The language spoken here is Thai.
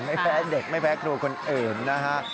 ไม่แพ้เด็กไม่แพ้ครูคนอื่นนะฮะ